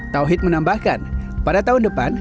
tauhid menambahkan pada tahun depan